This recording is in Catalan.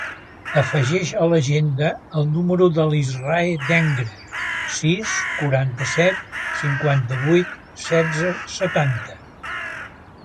Afegeix a l'agenda el número de l'Israe Dengra: sis, quaranta-set, cinquanta-vuit, setze, setanta.